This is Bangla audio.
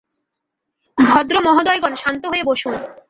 ভদ্রমহোদয়গণ, শান্ত হয়ে বসুন।